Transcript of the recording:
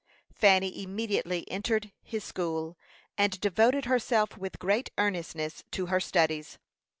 Fanny immediately entered his school, and devoted herself with great earnestness to her studies.